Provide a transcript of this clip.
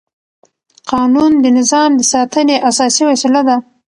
قانون د نظم د ساتنې اساسي وسیله ده.